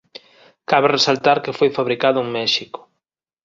Cabe resaltar que foi fabricado en México.